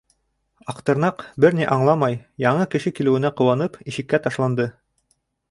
Аҡтырнаҡ, бер ни аңламай, яңы кеше килеүенә ҡыуанып ишеккә ташланды.